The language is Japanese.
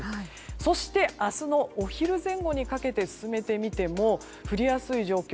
そして、明日のお昼前後にかけて進めてみても降りやすい状況